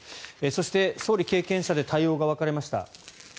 そして、総理経験者で対応が分かれました。